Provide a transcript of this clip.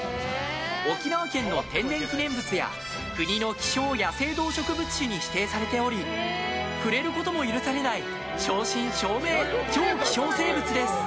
沖縄県の天然記念物や国の希少野生動植物種に指定されており触れることも許されない正真正銘、超希少生物です。